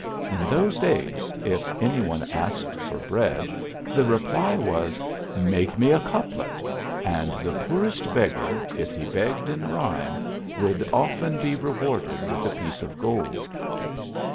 In those days, if any one asked for bread 06 THE ALHAMBRA. the reply was, Make me a couplet ;* and tne poor est beggar, if he begged in rhyme, would often be rewarded with a piece of gold."